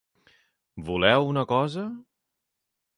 Voleu una cosa?